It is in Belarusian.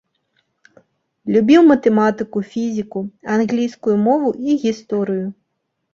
Любіў матэматыку, фізіку, англійскую мову і гісторыю.